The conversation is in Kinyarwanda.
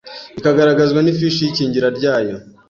bikagaragazwa n’ifishi y’ikingira ryayo